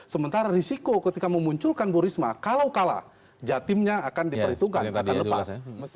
sementara risiko ketika memunculkan bu risma kalau kalah jatimnya akan diperhitungkan akan lepas